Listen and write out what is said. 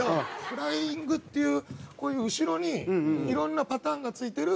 フライングっていうこういう後ろにいろんなパターンがついてる。